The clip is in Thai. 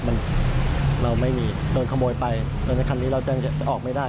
มันเราไม่มีโดนขโมยไปแล้วในคันนี้เราจะออกไม่ได้